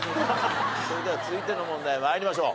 それでは続いての問題参りましょう。